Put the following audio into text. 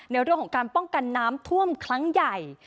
ในเรื่องของการป้องกันน้ำท่วมครั้งใหญ่